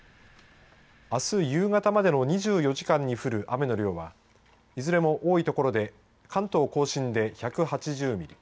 あす夕方までの２４時間に降る雨の量は、いずれも多い所で関東甲信で１８０ミリ